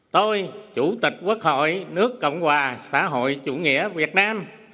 tôi chủ tịch quốc hội nước cộng hòa xã hội chủ nghĩa việt nam